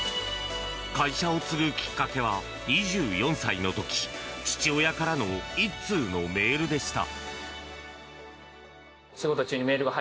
会社を継ぐきっかけは２４歳の時父親からの１通のメールでした。